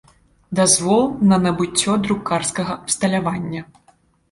Дазвол на набыццё друкарскага абсталявання.